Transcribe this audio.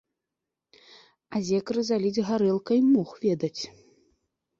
А зекры заліць гарэлкай мог ведаць.